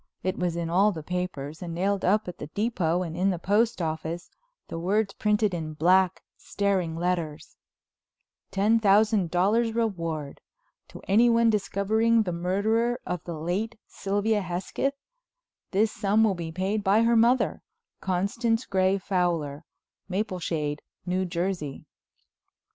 It was in all the papers and nailed up at the depot and in the post office, the words printed in black, staring letters: TEN THOUSAND DOLLARS REWARD! TO ANYONE DISCOVERING THE MURDERER OF THE LATE SYLVIA HESKETH, THIS SUM WILL BE PAID BY HER MOTHER, CONSTANCE GREY FOWLER, MAPLESHADE, NEW JERSEY.